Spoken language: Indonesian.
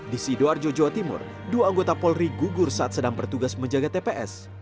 di sidoarjo jawa timur dua anggota polri gugur saat sedang bertugas menjaga tps